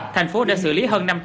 thành phố đã xử lý hơn năm trăm linh